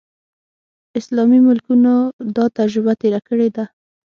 اسلامي ملکونو دا تجربه تېره کړې ده.